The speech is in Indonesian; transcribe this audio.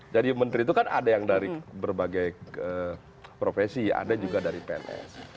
jadi menteri itu kan ada yang dari berbagai profesi ada juga dari pns